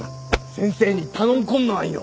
先生に頼んこんのあっよ！